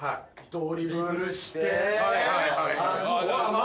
ドリブルして！